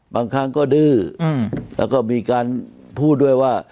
บางครั้งก็ดื้อแล้วก็มีการพูดด้วยว่า